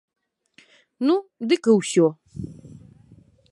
Ну, дык і ўсё.